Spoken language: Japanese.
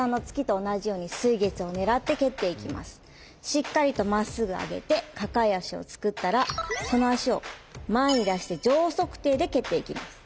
しっかりとまっすぐ上げて抱え足を作ったらその足を前に出して上足底で蹴っていきます。